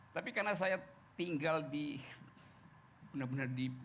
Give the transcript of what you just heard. tapi karena saya tinggal di benar benar di